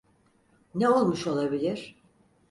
Ne olmuş olabilir?